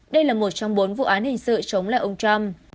đây là một trong bốn vụ án hình sự chống lại ông trump